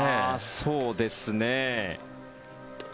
そうですね。